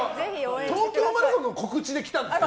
東京マラソンの告知で来たんですか？